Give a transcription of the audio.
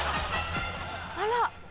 あら！